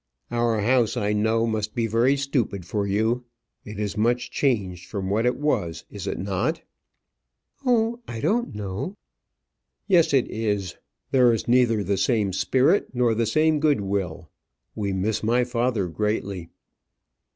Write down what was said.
"Our house, I know, must be very stupid for you. It is much changed from what it was; is it not?" "Oh, I don't know." "Yes, it is. There is neither the same spirit, nor the same good will. We miss my father greatly."